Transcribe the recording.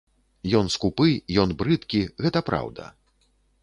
Ён скупы, ён брыдкі, гэта праўда.